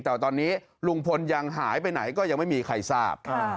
แต่ตอนนี้ลุงพลยังหายไปไหนก็ยังไม่มีใครทราบ